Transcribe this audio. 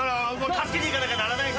助けに行かなきゃならないんで。